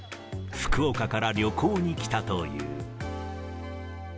福岡から旅行に来たという。